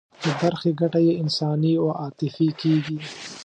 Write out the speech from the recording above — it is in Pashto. د برخې ګټه یې انساني او عاطفي کېږي.